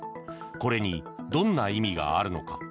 これにどんな意味があるのか。